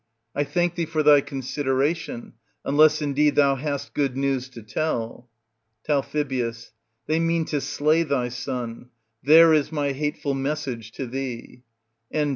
I thank thee for thy consideration, unless indeed thou hast good news to tell. Tal. They mean to slay thy son; there is my hateful message to thee. And.